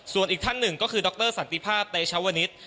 ส่วนอีกท่านหนึ่งก็คือดรสันติภาพเตชวนิษฐ์